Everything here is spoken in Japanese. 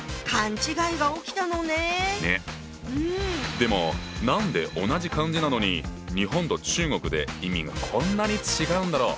でも何で同じ漢字なのに日本と中国で意味がこんなに違うんだろう？